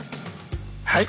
はい。